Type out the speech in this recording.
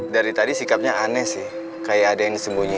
dari tadi sikapnya aneh sih kayak ada yang sembunyi